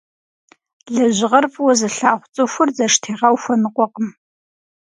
Лэжьыгъэр фӀыуэ зылъагъу цӀыхур зэштегъэу хуэныкъуэкъым.